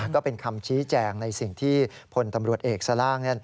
ก็เป็นคำชี้แจงในสิ่งที่พลตำรวจเอกสล่าง